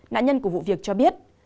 nạn nhân của vụ việc cho biết